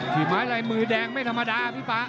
ไม้ลายมือแดงไม่ธรรมดาพี่ป๊า